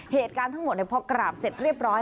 เหตุการณ์ทั้งหมดพอกราบเสร็จเรียบร้อย